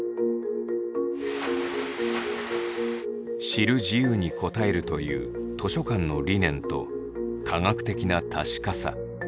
知る自由に応えるという図書館の理念と科学的な確かさ。